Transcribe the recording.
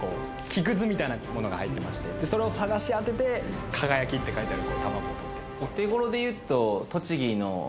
木クズみたいなものが入ってましてそれを探し当てて「輝」って書いてある卵をとってですね